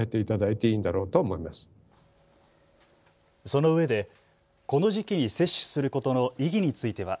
そのうえで、この時期に接種することの意義については。